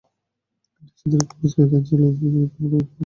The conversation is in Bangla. নিজেদের ক্রোধকে জাগিয়ে তোলো, বর্বর, পাগলা যোদ্ধার দল!